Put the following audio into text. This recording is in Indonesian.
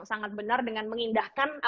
sangat benar dengan mengindahkan